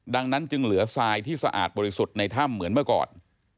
ดังนั้นจึงเหลือทรายที่สะอาดบริสุทธิ์ในถ้ำเหมือนเมื่อก่อน